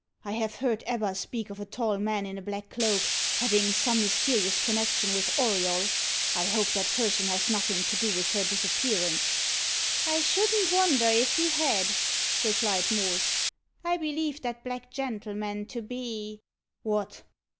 "I have heard Ebba speak of a tall man in a black cloak having some mysterious connection with Auriol. I hope that person has nothing to do with her disappearance." "I shouldn't wonder if he had," replied Morse. "I believe that black gentleman to be " "What!